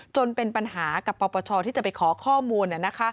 จนเป็นปัญหากับปปชที่จะไปขอข้อมูล